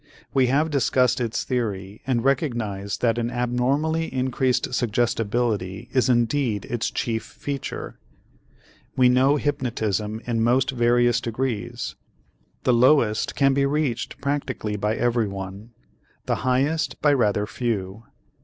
We have discussed its theory and recognized that an abnormally increased suggestibility is indeed its chief feature. We know hypnotism in most various degrees; the lowest can be reached practically by everyone, the highest by rather few.